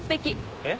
えっ？